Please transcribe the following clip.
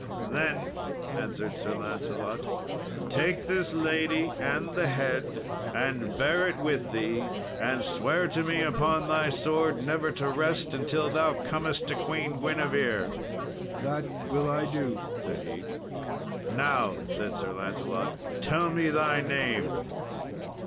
"Then," answered Sir Lancelot, "take this lady and the head, and bear it with thee, and swear to me upon thy sword never to rest until thou comest to Queen Guinevere." "That will I do," said he. "Now," said Sir Lancelot, "tell me thy name."